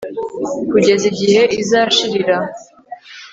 kugeza igihe izashirira